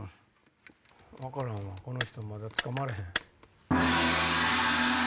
分からんわこの人まだつかまれへん。